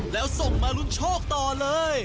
แล้วส่งมารุนโชคต่อเลย